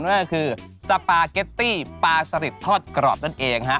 นั่นก็คือสปาเก็ตตี้ปลาสลิดทอดกรอบนั่นเองฮะ